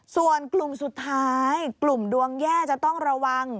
ส่วนกลุ่มสุดท้ายกลุ่มดวงแย่จะต้องระวัง